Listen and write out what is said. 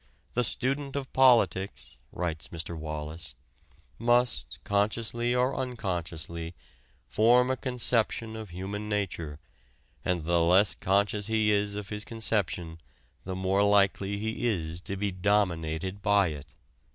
"The student of politics," writes Mr. Wallas, "must, consciously or unconsciously, form a conception of human nature, and the less conscious he is of his conception the more likely he is to be dominated by it."